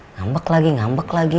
ngambek lagi ngambek lagi